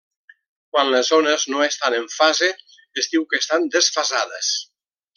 Quan les ones no estan en fase, es diu que estan desfasades.